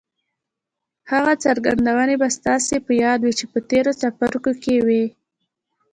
هغه څرګندونې به ستاسې په ياد وي چې په تېرو څپرکو کې وې.